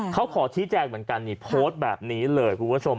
เขาขอชี้แจงเหมือนกันนี่โพสต์แบบนี้เลยคุณผู้ชม